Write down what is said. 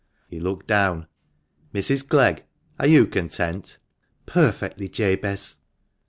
He looked down :" Mrs. Clegg are you content ?" "Perfectly, Jabez."